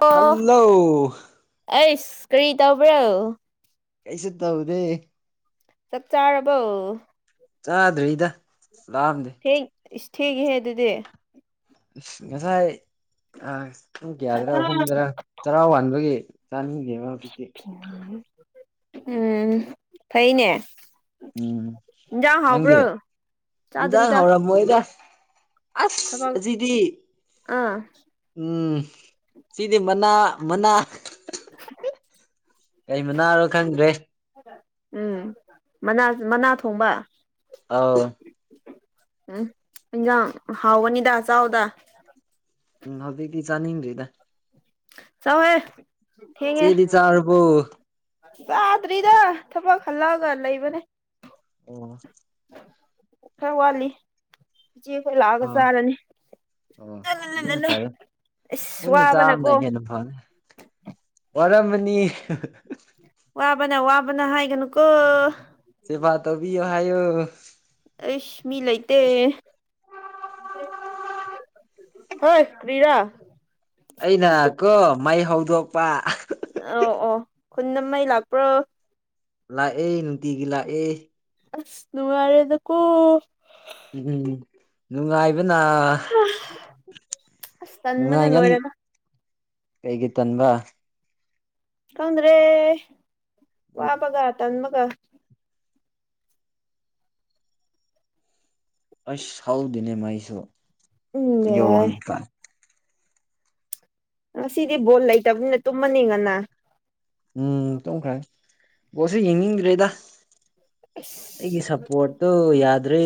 ꯑꯣ ꯍꯜꯂꯣ ꯑꯩꯁ ꯀꯔꯤ ꯇꯧꯕ꯭ꯔꯣ ꯀꯩꯁꯨ ꯇꯧꯗꯦ ꯆꯥꯛ ꯆꯥꯔꯕꯣ ꯆꯥꯗ꯭ꯔꯤꯗ ꯂꯥꯝꯗ‌ꯦ ꯊꯦꯡ ꯏꯁ ꯊꯦꯡꯉꯦꯍꯦ ꯑꯗꯨꯗꯤ ꯏꯁ ꯉꯁꯥꯏ ꯑꯥ ꯄꯨꯡ ꯀꯌꯥꯗꯔ ꯑꯍꯨꯝꯗꯔꯥ ꯆꯔꯥ ꯋꯥꯟꯕꯒꯤ ꯆꯥꯅꯤꯡꯗꯦꯕ ꯍꯧꯖꯤꯛꯇꯤ ꯎꯝ ꯐꯩꯅꯦ ꯎꯝ ꯏꯟꯖꯥꯡ ꯅꯪꯗꯤ ꯍꯥꯎꯕ꯭ꯔꯣ ꯏꯟꯖꯥꯡ ꯆꯥꯗ꯭ꯔꯤꯗ ꯍꯥꯎꯔꯝꯃꯣꯏꯗ ꯊꯕꯛ ꯑꯁ ꯖꯤꯗꯤ ꯑꯥ ꯎꯝ ꯁꯤꯗꯤ ꯃꯅꯥ ꯃꯅꯥ ꯀꯩ ꯃꯅꯥꯔꯣ ꯈꯪꯗ꯭ꯔꯦ ꯎꯝ ꯃꯅꯥꯖꯨ ꯃꯅꯥ ꯊꯣꯡꯕꯥ ꯑꯥꯎ ꯎꯝ ꯏꯟꯖꯥꯡ ꯍꯥꯎꯕꯅꯤꯗ ꯆꯥꯎꯗꯥ ꯎꯝ ꯍꯧꯖꯤꯛꯗꯤ ꯆꯥꯅꯤꯡꯗ꯭ꯔꯤꯗꯥ ꯆꯥꯎ ꯍꯦ ꯊꯦꯡꯉꯦ ꯆꯦꯗꯤ ꯆꯥꯔꯕꯣ ꯆꯥꯗ꯭ꯔꯤꯗꯥ ꯊꯕꯛ ꯍꯜꯂꯛ ꯑꯥꯒ ꯂꯩꯕꯅꯦ ꯑꯣ ꯈꯔ ꯋꯥꯠꯂꯤ ꯏꯆꯦꯈꯣꯏ ꯂꯥꯛ ꯑꯥꯒ ꯑꯥ ꯆꯥꯔꯅꯤ ꯑꯣ ꯑꯗꯨꯅ ꯐꯔꯦ ꯑꯁ ꯄꯨꯟꯅ ꯆꯥꯕꯅ ꯋꯥꯕꯅꯀꯣ ꯍꯦꯟꯅ ꯐꯅꯤ ꯋꯥꯔꯝ ꯃꯥꯅꯤ ꯋꯥꯕꯅ ꯋꯥꯕꯅ ꯍꯥꯏꯒꯅꯨꯀꯣ ꯁ‌ꯦꯕꯥ ꯇꯣꯕꯤꯌꫭ ꯍꯥꯏꯌꫭ ꯑꯩꯁ ꯃꯤ ꯂꯩꯇꯦ ꯍꯣꯏ ꯀ꯭ꯔꯤꯔꯥ ꯑꯩꯅ ꯀꯣ ꯃꯩ ꯍꯧꯗꯣꯛꯄꯥ ꯑꯣ ꯑꯣ ꯈꯨꯟꯗ ꯃꯩ ꯂꯥꯛꯄ꯭ꯔꯣ ꯂꯥꯛꯑꯦ ꯅꯨꯡꯇꯤꯒꯤ ꯂꯥꯛꯑꯦ ꯑꯁ ꯅꯨꯡꯥꯏꯔꯦꯗꯥ ꯀꯣ ꯎꯝ ꯅꯨꯡꯉꯥꯏꯕꯅꯥ ꯑꯁ ꯇꯟꯕꯅꯥ ꯅꯨꯡꯉꯥꯏꯉꯟ ꯂꯣꯏꯔꯦꯕ ꯀꯩꯒꯤ ꯇꯟꯕꯥ ꯈꯪꯗ꯭ꯔꯦ ꯎꯝ ꯋꯥꯕꯒꯥ ꯇꯟꯕꯒꯥ ꯑꯁ ꯍꯧꯗ‌ꯦꯅꯦ ꯃꯩꯁꯨ [unintelligible] [unintelligible] ꯉꯁꯤꯗꯤ ꯕꯣꯜ ꯂꯩꯇꯝꯅꯤꯅ ꯇꯨꯝꯃꯅꯤ ꯉꯟꯅꯥ ꯎꯝ ꯇꯨꯝꯈ꯭ꯔ ꯅꯤ ꯕꫭꯜ ꯁꯨ ꯌꯦꯡꯅꯤꯡꯗ꯭ꯔꯦꯗ ꯑꯩꯒꯤ ꯑꯁ ꯁꯞꯄꯣꯔꯠꯇ‌ꯣ ꯌꯥꯗ꯭ꯔꯦ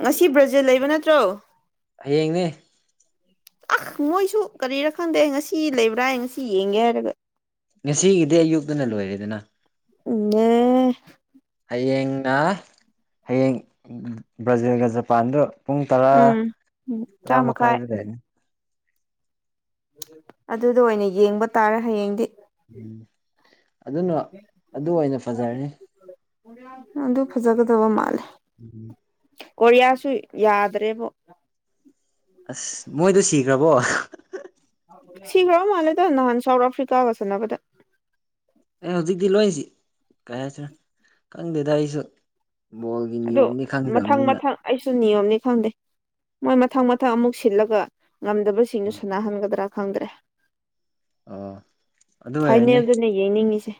ꯉꯁꯤ ꯕ꯭ꯔꯖꯤꯜ ꯂꯩꯕ ꯅꯠꯇ꯭ꯔꯣ ꯍꯌꯦꯡꯅꯦ ꯑ ꯃꯣꯏꯁꯨ ꯀꯔꯤꯔꯥ ꯈꯪꯗꯦ ꯉꯁꯤ ꯂꯩꯕ꯭ꯔꯥ ꯍꯥꯏ ꯉꯁꯤ ꯌꯦꯡꯒꯦ ꯍꯥꯏꯔꯒ ꯉꯁꯤꯒꯤꯗꯤ ꯑꯌꯨꯛꯇꯨꯅꯥ ꯂꯣꯏꯔꯦꯗꯅꯥ ꯎꯝ ꯍꯌꯦꯡꯅ ꯍꯌꯦꯡ ꯕ꯭ꯔꯥꯖꯤꯜꯒ ꯖꯄꯥꯟꯗ ꯄꯨꯡ ꯇꯔꯥ ꯎꯝ ꯇꯔꯥ ꯃꯈꯥꯏꯗ ꯂꯩꯅꯤ ꯑꯗꯨꯗ ꯑꯣꯏꯅ ꯌꯦꯡꯕ ꯇꯥꯔꯦ ꯍꯌꯦꯡꯗꯤ ꯎꯝ ꯑꯗꯨꯅ ꯑꯗꯨ ꯑꯣꯏꯅ ꯐꯖꯔꯦ ꯑꯗꯨ ꯐꯖꯒꯗꯕ ꯃꯥꯜꯂꯦ [inaudible] ꯀꫭꯔꯤꯌꯥꯁꯨ ꯌꯥꯗ꯭ꯔꯦꯕꯣ ꯑꯁ ꯃꯣꯏꯗꯨ ꯁꯤꯈ꯭ꯔꯕꯣ ꯁꯤꯒ꯭ꯔ ꯃꯥꯂꯦꯗ ꯅꯍꯥꯟ ꯁꯥꯎꯠ ꯑꯐ꯭ꯔꯤꯀꯥꯒ ꯁꯥꯟꯅꯕꯗ ꯑꯦ ꯍꯧꯖꯤꯛꯇꯤ ꯂꯣꯏꯁꯤ ꯀꯩ ꯍꯥꯏꯁꯤꯅ ꯈꯪꯗꯦꯗ ꯑꯩꯁꯨ ꯕꯣꯜꯒꯤ ꯑꯗꯨ ꯅꯤꯌꯣꯝꯗꯤ ꯃꯊꯪ ꯈꯪꯗꯕꯅꯤꯅ ꯃꯊꯪ ꯑꯩꯁꯨ ꯅꯤꯌꯣꯝꯗꯆ ꯈꯪꯗꯦ ꯃꯣꯏ ꯃꯊꯪ ꯃꯊꯪ ꯑꯃꯨꯛ ꯁꯤꯜꯂꯒ ꯉꯝꯗꯕ ꯁꯤꯡꯗꯨ ꯁꯅꯥ ꯍꯟꯒꯗ꯭ꯔꯥ ꯈꯪꯗ꯭ꯔꯦ ꯑꯣ ꯑꯗꯨ ꯑꯣꯏꯔꯅꯤ ꯐꯥꯏꯅꯦꯜ ꯌꯦꯡꯅꯤꯡꯉꯤꯁꯦ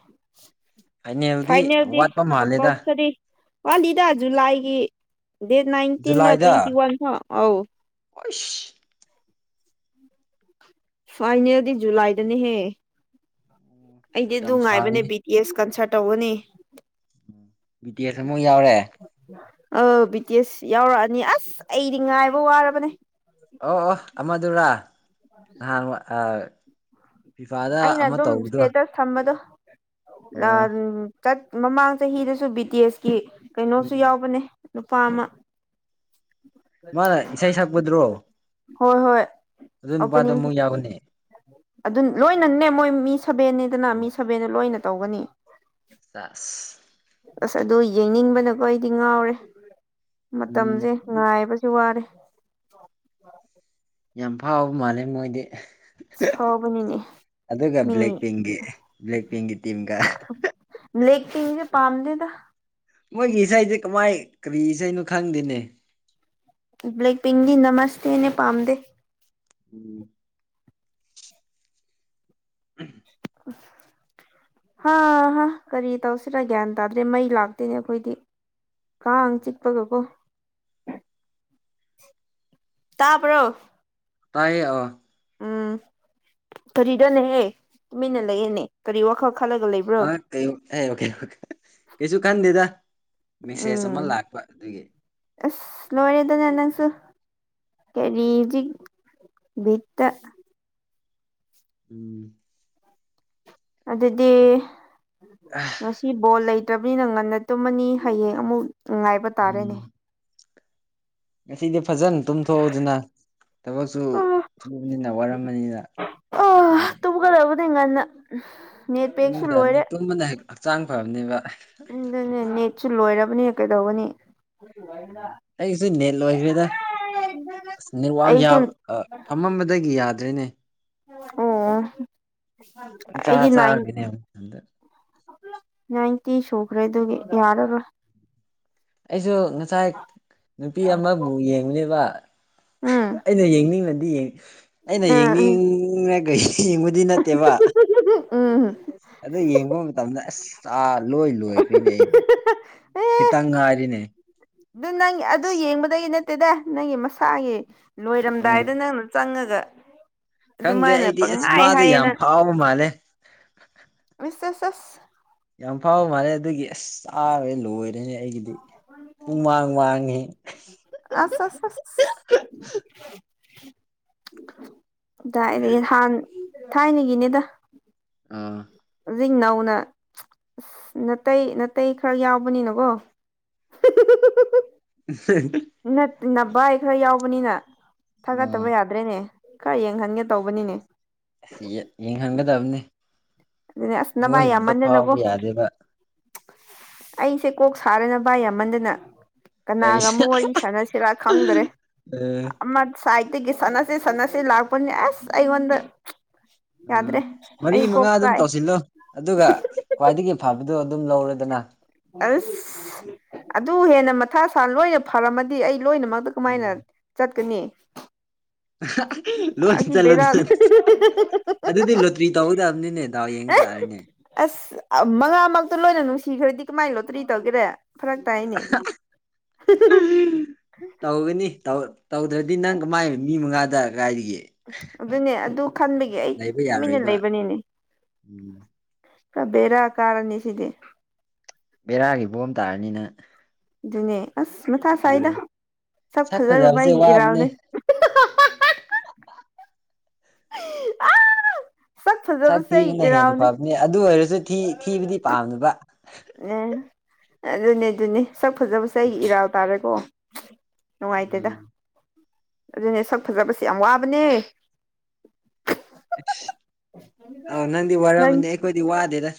ꯐꯥꯏꯅꯦꯜꯗꯤ ꯋꯥꯠꯄ ꯃꯥꯜꯂꯦꯗ ꯀꯝꯄꯜꯁꯔꯤ ꯋꯥꯠꯂꯤꯗ ꯖꯨꯂꯥꯏꯒꯤ ꯗꯦꯠ ꯅꯥꯏꯟꯇꯤꯟ ꯔ ꯇ꯭ꯋꯦꯟꯇꯤ ꯋꯥꯟ ꯐꯥꯎ ꯑꯧ ꯏꯁ ꯐꯥꯏꯅꯦꯜꯗꯤ ꯖꯨꯂꯥꯏꯗꯅꯦꯍꯦ ꯌꯥꯝ ꯑꯩꯗꯤ ꯉꯥꯏꯕꯅꯦ ꯁꯥꯡꯉꯤ ꯕꯤ ꯌꯦꯁ ꯀꯟꯁꯔꯇ ꯇꯧꯒꯅꯤ ꯕꯤ ꯇꯤ ꯑꯦꯁ ꯑꯃꯨꯛ ꯌꯥꯎꯔꯦ ꯑ ꯕꯤ ꯇꯤ ꯑꯦꯁ ꯌꯥꯎꯔꯛꯑꯅꯤ ꯑꯁ ꯑꯩꯗꯤ ꯉꯥꯏꯕ ꯋꯥꯔꯕꯅꯦ ꯑꯣ ꯑꯣ ꯑꯃꯗꯨꯔꯥ ꯅꯍꯥꯟ ꯑ ꯐꯤꯐꯥꯗ ꯑꯩꯅ ꯑꯃꯥ ꯑꯗꯨꯝ ꯇꯧꯕꯗꯣ ꯏꯁꯇꯦꯇꯁ ꯊꯝꯕꯗꯣ ꯑꯣ ꯂꯥꯟ ꯆꯠ ꯃꯃꯥꯡ ꯆꯍꯤꯗꯁꯨ ꯕꯤ ꯇꯤ ꯇꯤ ꯑꯦꯁ ꯀꯤ ꯀꯩꯅꯣꯁꯨ ꯎꯝ ꯌꯥꯎꯕꯅꯦ ꯅꯨꯄꯥ ꯑꯃꯥ ꯃꯥꯅ ꯏꯁꯩ [unintelligible] ꯁꯛꯄꯗꯨꯔꯣ ꯍꯣꯏ ꯍꯣꯏ ꯑꯗꯨ ꯅꯨꯄꯥꯗꯣ ꯑꯣꯄꯅꯤꯡ ꯑꯃꯨꯛ ꯌꯥꯎꯕꯅꯦ ꯑꯗꯨ ꯂꯣꯏꯅꯅꯦ ꯃꯣꯏ ꯃꯤ ꯁꯕꯦꯟꯅꯤꯗꯅ ꯃꯤ ꯁꯚꯦꯟꯗꯣ ꯂꯣꯏꯅ ꯇꯧꯒꯅꯤ ꯇꯁ ꯑꯁ ꯑꯗꯨ ꯌꯦꯡꯅꯤꯡꯕꯅꯀꯣ ꯑꯩꯗꯤ ꯉꯥꯎꯔꯦ ꯎꯝ ꯃꯇꯝꯖꯦ ꯉꯥꯏꯕꯁꯦ ꯋꯥꯔꯦ ꯌꯥꯝ ꯐꯥꯎꯕ ꯃꯥꯜꯂꯦ ꯅꯣꯏꯗꯤ ꯁꯥꯎꯕꯅꯤꯅꯦ ꯑꯗꯨꯒ ꯕ꯭ꯂꯦꯛ ꯃꯤ ꯄꯤꯡꯒꯤ ꯕ꯭ꯂꯦꯛ ꯄꯤꯡꯒꯤ ꯇꯤꯝꯒ ꯂꯦꯡꯖꯦꯀꯤ ꯄꯥꯝꯗꯦꯗ ꯃꯣꯏꯒꯤ ꯏꯁꯩꯖꯦ ꯀꯃꯥꯏ ꯀꯔꯤ ꯏꯁꯩꯅꯣ ꯈꯪꯗꯦꯅꯦ ꯕ꯭ꯂꯦꯛ ꯄꯤꯡꯗꯤ ꯅꯃꯁꯇꯦꯅꯦ ꯄꯥꯝꯗ ꯎꯝ ꯎꯝ [inaudible] ꯍꯥ ꯍꯥ ꯀꯔꯤ ꯇꯧꯁꯤꯔꯥ ꯒ꯭ꯌꯥꯟ ꯇꯥꯗ꯭ꯔꯦ ꯃꯩ ꯂꯥꯛꯇꯦꯅꯦ ꯑꯩꯈꯣꯏꯗꯤ ꯀꯥꯡ ꯆꯤꯛꯄꯒꯀꯣ ꯇꯥꯕ꯭ꯔꯣ ꯇꯥꯏꯌꯦ ꯑ ꯎꯝ ꯀꯔꯤꯗꯅꯦꯍꯦ ꯇꯨꯃꯤꯟꯅ ꯂꯩꯌꯦꯅꯦ ꯀꯔꯤ ꯋꯥꯈꯜ ꯈꯜꯂꯒ ꯂꯩ ꯑ ꯀꯩ [unintelligible] ꯀꯩꯁꯨ ꯈꯟꯗꯦꯗꯥ ꯃꯦꯁꯦꯖ ꯑꯃ ꯎꯝ ꯂꯥꯛꯄ ꯑꯗꯨꯒꯤ ꯑꯁ ꯂꯣꯏꯔꯦꯗꯅ ꯅꯪꯁꯨ ꯀꯔꯤꯖꯤꯛ ꯕꯤꯠꯇ ꯎꯝ ꯑꯗꯨꯗꯤ ꯑꯥ ꯉꯁꯤ ꯕꯣꯜ ꯂꯩꯇ꯭ꯔꯕꯅꯤꯅ ꯉꯟꯅ ꯇꯨꯝꯃꯅꯤ ꯍꯌꯦꯡ ꯑꯃꯨꯛ ꯉꯥꯏꯕ ꯇꯥꯔꯦꯅꯦ ꯎꯝ ꯉꯁꯤꯗꯤ ꯐꯖꯅ ꯇꯨꯝꯊꯣꯛꯎꯗꯅ ꯊꯕꯛꯁꯨ ꯁꯨꯕꯅꯤꯅ ꯋꯥꯔꯝꯃꯅꯤꯅ ꯇꯨꯗꯤ ꯉꯟꯅ ꯅꯦꯠ ꯄꯦꯛꯁꯨ ꯂꯣꯏꯔꯦ [unintelligible] ꯍꯛꯆꯥꯡ ꯐꯕꯅꯦꯕ [unintelligible] ꯅꯦꯠꯁꯨ ꯂꯣꯏꯔꯕꯅꯤꯅ ꯀꯩꯗꯧꯒꯅꯤ ꯑꯗꯨꯃꯥꯏꯅ ꯑꯩꯁꯨ ꯅꯦꯠ ꯂꯣꯏꯒ꯭ꯔꯦꯗ ꯑꯁ ꯅꯦꯠꯋꯥꯛ ꯑꯩꯁꯨ ꯌꯕ ꯑ ꯐꯝꯃꯝꯕꯗꯒꯤ ꯌꯥꯗ꯭ꯔꯦꯅꯦ ꯑꯣ ꯑꯩꯗꯤ ꯅꯥꯏꯟ ꯅꯠ ꯅꯥꯏꯟꯇꯤ ꯁꯣꯈ꯭ꯔꯦ ꯑꯗꯨꯒꯤ ꯌꯥꯔꯔꯣꯏ ꯑꯩꯖꯨ ꯉꯁꯥꯏ ꯅꯨꯄꯤ ꯑꯃꯥ ꯕꯨ ꯌꯦꯡꯉꯨꯅꯦꯕ ꯎꯝ ꯑꯩꯅ ꯌꯦꯡꯅꯤꯡꯉꯗꯤ ꯑꯩꯅ ꯎꯝ ꯌꯦꯡꯅꯤꯡꯉꯒꯩ ꯌꯦꯡꯕꯗꯤ ꯅꯠꯇꯦꯕ ꯑ ꯑꯗꯣ ꯌꯦꯡꯕ ꯃꯇꯝꯗ ꯑꯁ ꯆꯥ ꯂꯣꯏ ꯂꯣꯏꯈ꯭ꯔꯦꯅꯦ ꯑꯩꯅꯦ ꯑꯦ ꯈꯤꯇꯪ ꯉꯥꯏꯔꯤꯅꯦ ꯑꯗꯨ ꯅꯪ ꯑꯗꯨ ꯌꯦꯡꯕꯗꯒꯤ ꯅꯠꯇꯦꯗ ꯅꯪꯒꯤ ꯃꯁꯥꯒꯤ ꯎꯝ ꯂꯣꯏꯔꯝꯗꯥꯏꯗ ꯅꯪ ꯆꯪꯉꯒ ꯈꯪꯗꯦ ꯑꯗꯨꯃꯥꯏꯅ ꯑꯩꯗꯤ ꯑꯁ ꯄꯪꯉꯥꯏ ꯃꯥꯗꯤ ꯌꯥꯝ ꯍꯥꯏꯌꯦꯅ ꯐꯥꯎꯕ ꯃꯥꯜꯂꯦ ꯃꯤꯁꯦꯁꯁ ꯌꯥꯝ ꯐꯥꯎꯕ ꯃꯥꯜꯂꯦ ꯑꯗꯨꯒꯤ ꯑꯁ ꯆꯥꯔꯦ ꯂꯣꯏꯔꯦ ꯑꯗꯨꯅꯦ ꯑꯩꯒꯤꯗꯤ ꯄꯨꯡ ꯃꯥꯡ-ꯃꯥꯡꯕ ꯉꯦ ꯑꯁ ꯑꯁ ꯀꯗꯥꯏꯗꯒꯤ ꯍꯥꯟ ꯊꯥꯏꯅꯒꯤꯅꯦꯗ ꯑꯝ ꯍꯧꯖꯤꯛ ꯅꯧꯅ ꯑꯁ ꯅꯥꯇꯩ ꯅꯥꯇꯩ ꯈ꯭ꯔ ꯌꯥꯎꯕꯅꯤꯅꯀꯣ ꯅꯕꯥꯏ ꯈ꯭ꯔ ꯌꯥꯎꯕꯅꯤꯅ ꯎꯝ ꯊꯥꯒꯠꯇꯕ ꯌꯥꯗ꯭ꯔꯦꯅꯦ ꯀꯥꯏ ꯌꯦꯡꯍꯟꯒꯦ ꯇꯧꯕꯅꯤꯅꯦ ꯑꯁꯤ ꯌꯦꯡꯍꯟꯒꯗꯕꯅꯤ ꯑꯗꯨꯅꯦ ꯑꯁ ꯃꯣꯏ ꯅꯚꯥꯏ ꯈꯛꯇ ꯌꯥꯝꯃꯟꯗꯅꯀꯣ ꯐꯥꯎꯕ ꯌꯥꯗꯦꯕ ꯑꯩꯁꯦ ꯀꯣꯛ ꯁꯥꯔꯦ ꯅꯚꯥꯏ ꯌꯥꯝꯃꯟꯗꯅ ꯀꯅꯥꯒ ꯑꯩꯁꯦ ꯑꯃꯨꯛ ꯋꯥꯔꯤ ꯁꯥꯟꯅꯁꯤꯔꯥ ꯈꯪꯗ꯭ꯔꯦ ꯑꯃ ꯁꯥꯏꯠꯇꯒꯤ ꯁꯥꯟꯅꯁꯤꯦ ꯁꯟꯅꯁꯤ ꯂꯥꯛ ꯄꯨ ꯑꯁ ꯑꯩꯒꯣꯟꯟ ꯎꯝ ꯌꯥꯗ꯭ꯔꯦ ꯃꯔꯤ ꯑꯩꯒ ꯃꯉꯥ ꯑꯗꯨꯝ ꯇꯧꯁꯤꯜꯂꯣ ꯑꯗꯨꯒ ꯈ꯭ꯋꯥꯏꯗꯒꯤ ꯐꯕꯗꯣ ꯑꯗꯨꯝ ꯂꯧꯔꯦꯗꯅ ꯑꯁ ꯑꯗꯨ ꯍꯦꯟꯅ ꯃꯊꯥ ꯁꯥ ꯂꯣꯏꯅ ꯐꯔꯝꯃꯗꯤ ꯑꯩ ꯂꯣꯏꯅꯃꯛ ꯎꯝ ꯀꯃꯥꯏꯅ ꯆꯠꯀꯅꯤ ꯂꯣꯏ ꯑꯁꯤ ꯆꯠꯂꯨꯗꯤ ꯕꯦꯔꯥ ꯆꯠꯇꯦ ꯑꯗꯨꯗꯤ ꯂꯣꯇ꯭ꯔꯤ ꯇꯧꯒꯗꯕꯅꯤꯅꯦ ꯗꯥꯎ ꯌꯦꯡ ꯇꯥꯔꯦꯅꯦ ꯑꯁ ꯃꯉꯥꯃꯛꯇꯣ ꯂꯣꯏꯅ ꯅꯨꯡꯁꯤꯈ꯭ꯔꯗꯤ ꯀꯃꯥꯏꯅ ꯂꯣꯇ꯭ꯔꯤ ꯇꯧꯒꯦꯔꯦ ꯐꯔꯛ ꯇꯥꯏꯅꯦ ꯇꯧꯒꯅꯤ ꯇꯧꯗ꯭ꯔꯗꯤ ꯅꯪ ꯀꯃꯥꯏ ꯃꯤ ꯃꯉꯥꯗ ꯀꯥꯏꯗꯒꯦ ꯑꯗꯨꯅꯦ ꯑꯗꯨ ꯈꯟꯕꯒꯤ ꯑꯩ ꯇꯨꯃꯤꯟꯅ ꯌꯥꯔꯣꯏꯕ ꯂꯩꯕꯅꯤꯅꯦ ꯎꯝ ꯕꯦꯔ ꯀꯥꯔꯅꯤꯁꯤꯗꯤ ꯕꯦꯔꯥꯒꯤ ꯕꯣꯝ ꯇꯥꯔꯅꯤ ꯅꯪ ꯑꯗꯨꯅꯦ ꯑꯁ ꯃꯊꯥ ꯁꯥꯏꯗ ꯁꯛ ꯐꯖꯔꯨꯕ ꯐꯖꯕꯁꯦ ꯑꯩꯒꯤ ꯋꯥꯕꯅꯦ ꯏꯔꯥꯜꯅꯦ ꯑ ꯁꯛ ꯊꯤꯕꯅ ꯍꯦꯟꯅ ꯐꯕꯅꯦ ꯑꯗꯨ ꯑꯣꯏꯔꯁꯨ ꯊꯤ ꯊꯤꯕꯗꯤ ꯄꯥꯝꯗꯕ ꯎꯝ ꯑꯗꯨꯅꯦ ꯑꯗꯨꯅꯦ ꯁꯛ ꯐꯖꯕꯁꯦ ꯑꯩꯒꯤ ꯏꯔꯥꯜ ꯇꯥꯔꯦꯀꯣ ꯅꯨꯡꯉꯥꯏꯇꯦꯗ ꯎꯝ ꯑꯗꯨꯅꯦ ꯁꯛ ꯐꯖꯕꯁꯦ ꯌꯥꯝ ꯋꯥꯕꯅꯦ ꯑꯁ ꯑꯣ ꯅꯪꯗꯤ ꯅꯪ ꯋꯥꯔꯝꯃꯅꯤ ꯑꯩꯈꯣꯏꯗꯤ ꯋꯥꯗꯦꯗ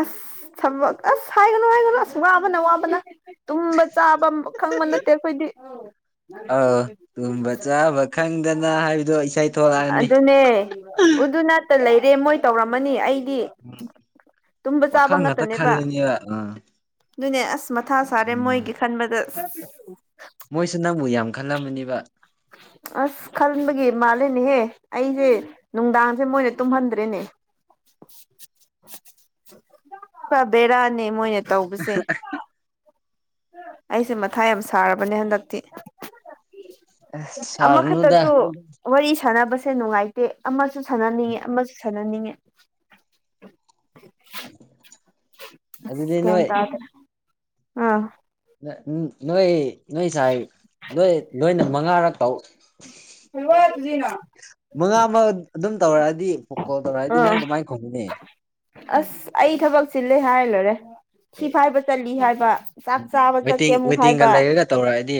ꯑꯁ ꯊꯕꯛ ꯑꯁ ꯍꯥꯏꯒꯅꯨ ꯍꯥꯏꯒꯅꯨ ꯑꯁ ꯋꯥꯕꯅ ꯋꯥꯕꯅ ꯇꯨꯝꯕ ꯆꯥꯕ ꯈꯪꯕ ꯅꯠꯇꯦ ꯑꯩꯈꯣꯏꯗꯤ ꯑꯥꯎ ꯇꯨꯝꯕ ꯆꯥꯕ ꯈꯪꯗꯅ ꯍꯥꯏꯕꯗꯣ ꯏꯁꯩ ꯊꯣꯛꯂꯛꯑꯅꯤ ꯅꯦ ꯑꯗꯨꯅꯇ ꯂꯩꯔꯦ ꯃꯣꯏ ꯇꯧꯔꯝꯃꯅꯤ ꯑꯩꯗꯤ ꯎꯝ ꯇꯨꯝꯕ ꯆꯥꯕ ꯉꯥꯛꯇꯅꯦꯕ ꯑ ꯑꯗꯨꯅꯦ ꯑꯁ ꯃꯊꯥ ꯁꯥꯔꯦ ꯃꯣꯏꯒꯤ ꯈꯟꯕꯗ ꯃꯣꯏꯁꯨ ꯅꯪꯕꯨ ꯌꯥꯝ ꯈꯜꯂꯝꯃꯅꯤꯕ ꯑꯁ ꯈꯟꯕꯒꯤ ꯃꯥꯂꯦꯅꯦꯍꯦ ꯑꯩꯁꯦ ꯅꯨꯡꯗꯥꯡꯁꯦ ꯃꯣꯏꯅ ꯇꯨꯝꯍꯟꯗ꯭ꯔꯦꯅꯦ ꯄꯨꯔꯥ ꯕꯦꯔꯥꯅꯦ ꯃꯣꯏꯅ ꯇꯧꯕꯁꯦ꯫ ꯑꯩꯁꯦ ꯃꯊꯥ ꯌꯥꯝ ꯁꯥꯔꯕꯅꯦ ꯍꯟꯗꯛꯇꯤ꯫ ꯑꯁ ꯁꯥꯔꯨꯅꯨꯗ ꯑꯃꯈꯛꯇꯁꯨ꯫ ꯋꯥꯔꯤ ꯁꯥꯟꯅꯕꯁꯦ ꯅꯨꯡꯉꯥꯏꯇꯦ ꯑꯃꯁꯨ ꯁꯥꯟꯅꯅꯤꯡꯉꯦ ꯑꯃꯁꯨ ꯁꯥꯟꯅꯅꯤꯡꯉꯦ꯫ ꯑꯗꯨꯗꯤ ꯑꯁ ꯒꯌꯥꯟ ꯅꯣꯏ ꯇꯥꯗꯦ ꯑꯥ꯫ ꯅ ꯅꯣꯏ ꯅꯣꯏ ꯁꯥꯏ ꯅꯣꯏ ꯂꯣꯏꯅ ꯃꯉꯥꯔꯛ ꯇꯧ [unintelligible] ꯃꯉꯥꯃꯛ ꯑꯗꯨꯝ ꯇꯧꯔꯛꯑꯗꯤ ꯀꯣꯜ ꯇꯧꯔꯛꯑꯗꯤ ꯑꯥ ꯅꯪ ꯀꯃꯥꯏꯅ ꯈꯨꯝꯒꯅꯤ꯫ ꯑꯁ ꯑꯩ ꯊꯕꯛ ꯆꯤꯜꯂꯦ ꯍꯥꯏ ꯂꯣꯏꯔꯦ꯫ ꯊꯤ ꯑꯦ ꯐꯥꯏꯕ ꯆꯠꯂꯤ ꯍꯥꯏꯕ ꯆꯥꯛ ꯎꯝ ꯆꯥꯕ ꯆꯠꯀꯦ ꯋꯦꯇꯤꯡ ꯑꯃꯨꯛ ꯋꯦꯇꯤꯡꯒ ꯍꯥꯏꯕ꯫ ꯂꯩꯔꯒ ꯇꯧꯔꯛꯑꯗꯤ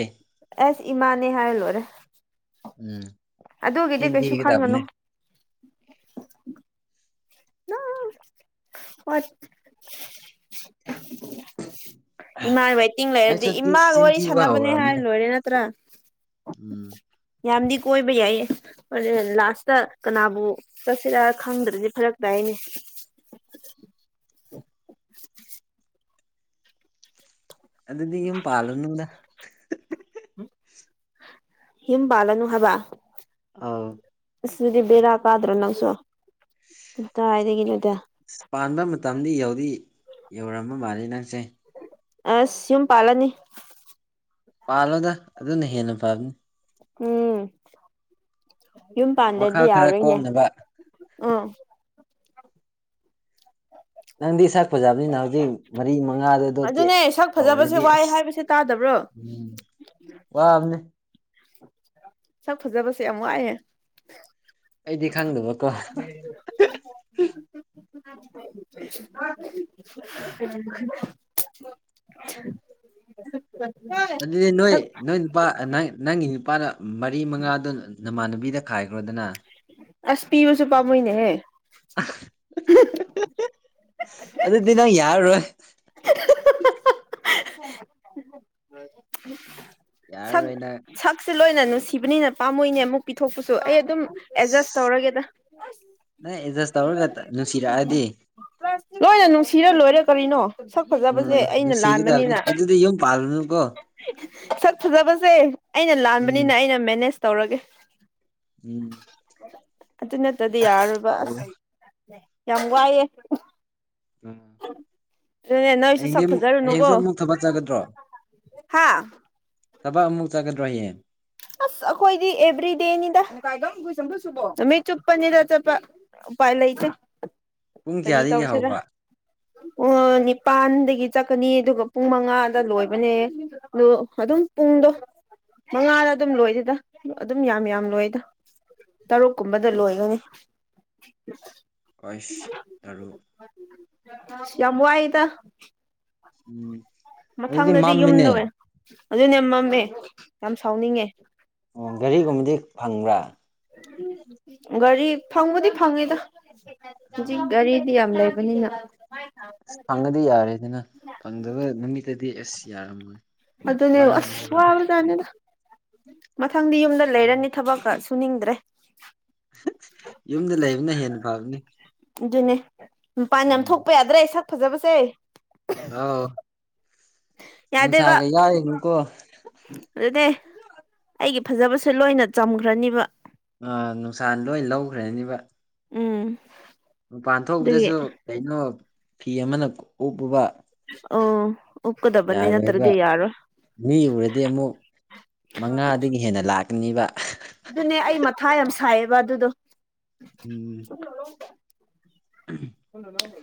ꯑꯁ ꯏꯃꯥꯅꯦ ꯍꯥꯏꯔ ꯂꯣꯏꯔꯦ꯫ ꯎꯝ꯫ ꯑꯗꯨꯒꯤꯗꯤ ꯆꯤꯟ ꯀꯩꯁꯨ ꯊꯤꯒꯗꯕꯅꯦ ꯈꯟꯒꯅꯨ꯫ [unintelligible] ꯋꯥꯠ ꯏꯃꯥ ꯋꯦꯇꯤꯡ ꯂꯩꯔꯗꯤ ꯑꯩꯁꯨ ꯏꯃꯥꯒ ꯆꯤꯟ ꯋꯥꯔꯤ ꯊꯤꯕ ꯁꯥꯟꯅꯕꯅꯦ ꯍꯧꯔꯕꯅꯦ ꯍꯥꯏꯔ ꯂꯣꯏꯔꯦ ꯅꯠ ꯇ꯭ꯔꯥ꯫ ꯎꯝ꯫ ꯌꯥꯝꯗꯤ ꯀꯣꯏꯕ ꯌꯥꯏꯌꯦ꯫ ꯍꯣꯔꯦꯟ ꯂꯥꯁꯇ ꯀꯅꯥꯕꯨ ꯆꯠꯁꯤꯔ ꯈꯪꯗ꯭ꯔꯗꯤ ꯐꯔꯛ ꯇꯥꯏꯌꯦꯅꯦ꯫ [inaudible] ꯑꯗꯨꯗꯗꯤ ꯌꯨꯝ ꯄꯥꯜꯂꯨꯅꯨꯗ꯫ ꯍꯝ ꯌꯨꯝ ꯄꯥꯜꯂꯅꯣ ꯍꯥꯏꯕ꯫ ꯑꯧ꯫ ꯑꯁ ꯑꯗꯨꯗꯤ ꯕꯦꯔꯥ ꯀꯗ꯭ꯔꯣ ꯅꯪꯁꯨ ꯀꯗꯥꯏꯗꯒꯤꯅꯣꯗꯥ꯫ ꯑꯁ ꯄꯥꯟꯕ ꯃꯇꯝꯗꯤ ꯌꯧꯗꯤ ꯌꯧꯔꯝꯕ ꯃꯥꯜꯂꯦ ꯅꯪꯁꯦ꯫ ꯑꯁ ꯌꯨꯝ ꯄꯥꯜꯂꯅꯤ꯫ ꯄꯥꯜꯂꯣꯗ ꯑꯗꯨꯅ ꯍꯦꯟꯅ ꯐꯕꯅꯤ꯫ ꯎꯝ ꯌꯨꯝ ꯄꯥꯟꯗꯗꯤ ꯋꯥꯈꯜ ꯈꯔ ꯌꯥꯔꯣꯏꯅꯦ ꯀꯣꯝꯅꯕ ꯎꯝ꯫ ꯅꯪꯗꯤ ꯁꯛ ꯐꯕꯅꯤꯅ ꯍꯧꯖꯤꯛ꯫ ꯃꯔꯤ ꯃꯉꯥꯗ꯫ ꯑꯗꯨꯅꯦ ꯁꯛ ꯐꯖꯕꯁꯦ ꯋꯥꯏ ꯍꯥꯏꯕꯁꯦ ꯇꯥꯗꯕ꯭ꯔꯣ꯫ ꯎꯝ ꯋꯥꯕꯅꯤ꯫ ꯁꯛ ꯐꯖꯕꯁꯦ ꯌꯥꯝ ꯋꯥꯏꯌꯦ꯫ ꯑꯩꯗꯤ ꯈꯪꯗꯕ꯫ [unintelligible] [unintelligible] ꯑꯗꯨꯗꯤ ꯅꯣꯏ ꯁꯛ ꯅꯣꯏ ꯅꯨꯄꯥ ꯅꯪꯒꯤ ꯅꯨꯄꯥꯅ ꯃꯔꯤ ꯃꯉꯥꯗꯨꯅ ꯅꯃꯥꯟꯅꯕꯤꯗ ꯈꯥꯏꯈ꯭ꯔꯣꯗꯅ ꯑꯁ ꯄꯤꯕꯁꯨ ꯄꯥꯝꯃꯨꯏꯅꯦꯍꯦ ꯑꯗꯨꯗꯤ ꯅꯪ ꯌꯔꯔꯣꯏ [unintelligible] ꯌꯔꯔꯣꯏ ꯅꯪ ꯁꯛꯁꯦ ꯂꯣꯏꯅ ꯅꯨꯡꯁꯤꯕꯅꯤꯅ ꯄꯥꯝꯃꯨꯏꯅꯦ ꯑꯃꯨꯛ ꯄꯤꯊꯣꯛꯄꯁꯨ ꯑꯩ ꯑꯗꯨꯝ ꯑꯦꯠꯖꯁ ꯑꯁ ꯇꯧꯔꯒꯦꯗ ꯅꯪ ꯑꯦꯗꯖꯁ ꯇꯧꯔꯒ ꯅꯨꯡꯁꯤꯔꯛꯑꯗꯤ ꯂꯣꯏꯅ ꯅꯨꯡꯁꯤꯔ ꯂꯣꯏꯔꯦ ꯀꯔꯤꯅꯣ ꯁꯛ ꯐꯖꯕꯁꯦ ꯎꯝ ꯑꯩꯅ ꯂꯥꯟ [unintelligible] ꯑꯗꯨꯗꯤ ꯌꯨꯝ ꯄꯥꯜꯂꯨꯅꯨ ꯁꯛ ꯐꯖꯕꯁꯦ ꯑꯩꯅ ꯎꯝ ꯂꯥꯟꯕꯅꯤꯅ ꯑꯩꯅ ꯃꯦꯅꯦꯖ ꯇꯧꯔꯒꯦ ꯎꯝ ꯑꯗꯨ ꯅꯠꯇꯗꯤ ꯌꯥꯔꯣꯏꯕ ꯑꯁ ꯇꯧꯔꯣ ꯌꯥꯝ ꯋꯥꯏꯑꯦ ꯎꯝ ꯑꯗꯨ ꯅꯣꯏꯁꯨ ꯍꯌꯦꯡꯗꯤ ꯁꯛ ꯑꯃꯨꯛ ꯐꯖꯔꯨꯅꯨꯀꯣ ꯍꯌꯦꯡꯁꯨ ꯑꯃꯨꯛ ꯊꯕꯛ ꯆꯠꯀꯗ꯭ꯔꯣ ꯍꯥꯥ ꯊꯕꯛ ꯑꯃꯨꯛ ꯆꯥꯒꯗ꯭ꯔꯣ ꯍꯌꯦꯡ ꯑꯁ ꯑꯩꯈꯣꯏꯗꯤ ꯑꯦꯚ꯭ꯔꯤꯗꯦꯅꯤꯗ ꯅꯨꯃꯤꯠ ꯆꯨꯞꯄꯅꯤꯗ ꯆꯠꯄ ꯎꯄꯥꯏ ꯂꯩꯇꯦ ꯄꯨꯡ ꯀꯔꯤ ꯀꯌꯥꯗꯒꯤ ꯇꯧꯁꯤꯔ ꯍꯧꯕ ꯑꯣ ꯅꯤꯄꯥꯟꯗꯒꯤ ꯆꯠꯀꯅꯤ ꯑꯗꯨꯒ ꯄꯨꯡ ꯃꯉꯥꯗ ꯂꯣꯏꯕꯅꯦ ꯑꯗꯣ ꯑꯗꯨꯝ ꯄꯨꯡꯗꯣ ꯃꯉꯥꯗ ꯑꯗꯨꯝ ꯂꯣꯏꯗꯦꯗ ꯑꯗꯨꯝ ꯌꯥꯝ ꯌꯥꯝ ꯂꯣꯏꯗ ꯇꯔꯨꯛ ꯀꯨꯝꯕꯗ ꯂꯣꯏꯒꯅꯤ [unintelligible] ꯍꯥꯏꯁ ꯇꯔꯨꯛ ꯆꯝ ꯋꯥꯌꯦꯗ ꯑꯨꯝ ꯃꯊꯪꯗꯗꯤ ꯌꯨꯝꯗꯋꯦ ꯑꯗꯨꯅꯦ ꯃꯝꯃꯦ ꯌꯥꯝ ꯁꯥꯎꯅꯤꯡꯉꯦ ꯑꯣ ꯒꯥꯔꯤꯒꯨꯝꯕꯗꯤ ꯐꯪꯕ꯭ꯔꯥ ꯒꯥꯔꯤ ꯐꯪꯕꯨꯗꯤ ꯐꯪꯉꯤꯗ ꯍꯧꯖꯤꯛ ꯒꯥꯔꯤꯗꯤ ꯌꯥꯝ ꯂꯩ ꯕꯅꯤꯅꯤꯅ ꯐꯪꯉꯗꯤ ꯌꯥꯔꯦꯗꯅ ꯐꯪꯗꯕ ꯅꯨꯃꯤꯠꯇꯗꯤ ꯑꯁ ꯌꯥꯔꯝꯃꯣꯏ ꯑꯗꯨꯅꯦ ꯑꯁ ꯋꯥꯔꯝꯅꯦꯕ ꯋꯥꯕꯖꯥꯠꯅꯤꯗ ꯃꯊꯪꯗꯤ ꯌꯨꯝꯗ ꯂꯩꯔꯅꯤ ꯊꯕꯛꯀ ꯁꯨꯅꯤꯗ꯭ꯔꯦ ꯌꯨꯝꯗ ꯂꯩꯕꯅ ꯍꯦꯟꯅ ꯐꯕꯅꯦ ꯑꯗꯨꯅꯦ ꯃꯄꯥꯟ ꯌꯥꯝ ꯊꯣꯛꯄ ꯌꯥꯗ꯭ꯔꯦ ꯁꯛ ꯐꯖꯕꯁꯦ ꯑꯥꯎ ꯌꯥꯗꯦꯕ ꯅꯨꯡꯁꯥꯒ ꯌꯥꯔꯨꯅꯨꯀꯣ ꯑꯗꯨꯅꯦ ꯑꯩꯒꯤ ꯐꯖꯕꯁꯦ ꯂꯣꯏꯅ ꯆꯝꯈ꯭ꯔꯅꯤꯕ ꯅꯨꯡꯁꯥ ꯂꯣꯏ ꯂꯧꯈ꯭ꯔꯅꯤꯕ ꯑꯨꯝ ꯃꯄꯥꯟ ꯊꯣꯛꯄꯗꯁꯨ ꯀꯩꯅꯣ ꯐꯤ ꯑꯃꯅ ꯀꯨꯞꯄꯨꯕ ꯑꯣ ꯎꯞꯀꯗꯕꯅꯤ ꯌꯥꯔꯔꯣꯕ ꯅꯠꯇ꯭ꯔꯗꯤ ꯌꯥꯔꯣꯏ ꯃꯤ ꯑꯨꯔꯗꯤ ꯑꯃꯨꯛ ꯃꯉꯥꯗꯒꯤ ꯍꯦꯟꯅ ꯂꯥꯛꯀꯅꯤꯕ ꯑꯗꯨꯅꯦ ꯑꯩ ꯃꯊꯥ ꯌꯥꯝ ꯁꯥꯏꯌꯦꯕ ꯑꯗꯨꯗꯣ ꯑꯨꯝ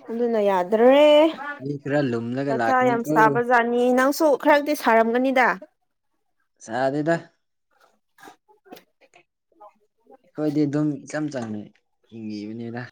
ꯑꯗꯨꯅ ꯌꯥꯗ꯭ꯔꯦ ꯃꯤ ꯈ꯭ꯔ ꯂꯨꯝꯂꯒ ꯃꯊꯥ ꯌꯥꯝ ꯂꯥꯛꯅꯤꯀꯣ ꯁꯥꯕꯖꯥꯠꯅꯤ ꯅꯪꯁꯨ ꯈꯔꯗꯤ ꯁꯥꯔꯝꯒꯅꯤꯗ ꯁꯥꯗꯦꯗ [unintelligible] ꯑꯩꯈꯣꯏꯗꯤ ꯑꯗꯨꯝ ꯏꯆꯝ ꯆꯝꯅ ꯍꯤꯡꯉꯤꯕꯅꯤꯗ